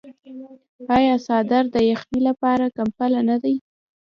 آیا څادر د یخنۍ لپاره کمپله نه ده؟